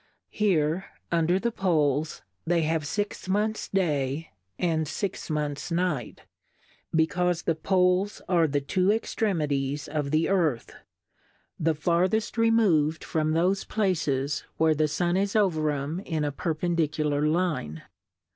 Here, under the Poles, they have Six Months Day, and Six Months Night, becaufe the Poles are the two Extremities of the Earth, the fartheft removM from thofe 1 1 8 Difcourfcs on the thofe Places where the Sun is over 'em in a Perpendicular Line.